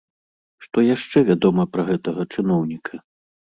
Што яшчэ вядома пра гэтага чыноўніка?